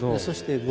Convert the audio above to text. そして。